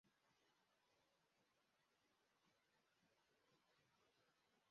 Uruhinja rwo muri Aziya rugenda mumuhanda